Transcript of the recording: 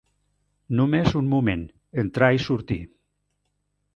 Només un moment: entrar i sortir.